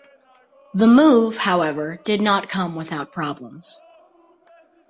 The move, however, did not come without problems.